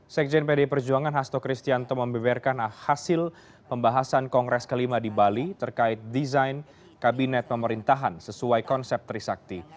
sekjen pd perjuangan hasto kristianto membeberkan hasil pembahasan kongres kelima di bali terkait desain kabinet pemerintahan sesuai konsep trisakti